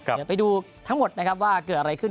เดี๋ยวไปดูทั้งหมดนะครับว่าเกิดอะไรขึ้น